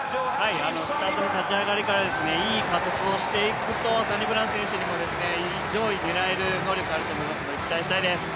スタジオ立ち上がりから、いい加速をしていくとサニブラウン選手にも上位狙える能力がありますので、期待したいです。